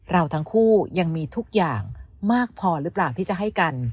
เราทั้งคู่ยังมีทุกอย่างมากพอหรือเปล่าที่จะให้กัน